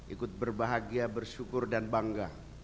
ikut berbahagia bersyukur dan bangga